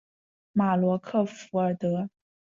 马罗克弗尔德。